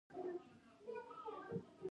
د کمرې هوا ډېره ګرمه وه.